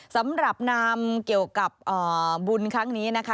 สำหรับนามเกี่ยวกับบุญครั้งนี้นะคะ